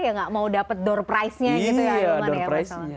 ya gak mau dapet door price nya gitu ya